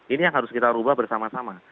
ini yang harus kita ubah bersama sama